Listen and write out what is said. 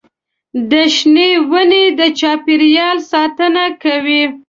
د شنې ونې د چاپېریال ساتنه کوي.